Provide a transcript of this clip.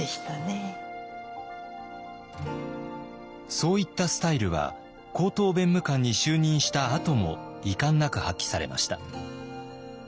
そういったスタイルは高等弁務官に就任したあとも遺憾なく発揮されました。